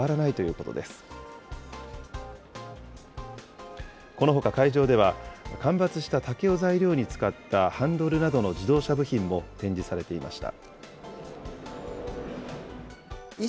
このほか会場では、間伐した竹を材料に使ったハンドルなどの自動車部品も展示されていました。